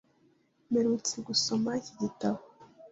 Mperutse gusoma iki gitabo.